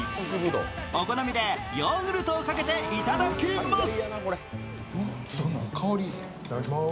お好みでヨーグルトをかけていただきます！